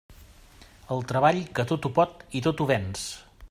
El treball que tot ho pot i tot ho venç.